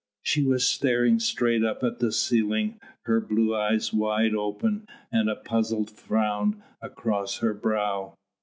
She was staring straight up at the ceiling, her blue eyes wide open, and a puzzled frown across her brow.